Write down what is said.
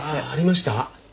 ああありました？